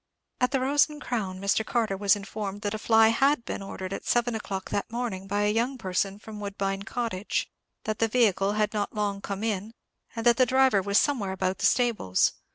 At the Rose and Crown Mr. Carter was informed that a fly had been ordered at seven o'clock that morning by a young person from Woodbine Cottage; that the vehicle had not long come in, and that the driver was somewhere about the stables.